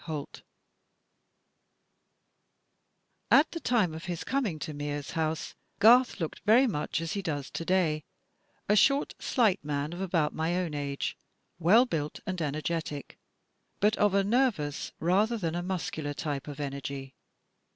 Holt: At the time of his coming to Mears House, Garth looked very much as he does to day — ^a short, slight man of about my own age, well built and energetic, but of a nervous rather than a muscular type of energy.